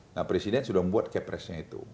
nah presiden sudah membuat kepresnya itu